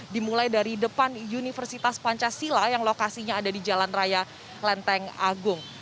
dimulai dari depan universitas pancasila yang lokasinya ada di jalan raya lenteng agung